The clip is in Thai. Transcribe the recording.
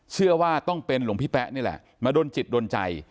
เชื่อว่าต้องเป็นหลวงพี่แป๊ะนี่แหละมาดนจิตโดนใจ